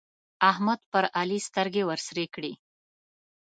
احمد پر علي سترګې ورسرې کړې.